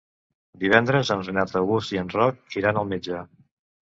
Divendres en Renat August i en Roc iran al metge.